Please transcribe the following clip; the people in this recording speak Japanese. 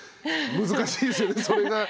難しいですよねそれが。